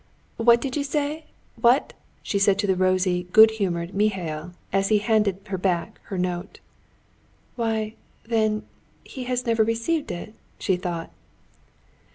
"What do you say? What!..." she said to the rosy, good humored Mihail, as he handed her back her note. "Why, then, he has never received it!" she thought.